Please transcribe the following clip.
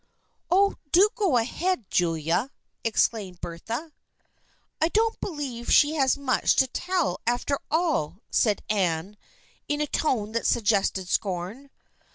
" Oh, do go ahead, Julia !" exclaimed Bertha. " I don't believe she has much to tell, after all," said Anne, in a tone that suggested scorn.